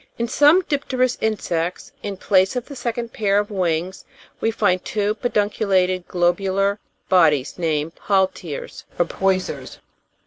In some di'pterous insects, in place of the second pair of wings we find two pedunculated globular bodies, named hal teres, or poisers.